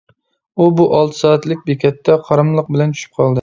ئۇ بۇ ئالتە سائەتلىك بېكەتتە قاراملىق بىلەن چۈشۈپ قالدى.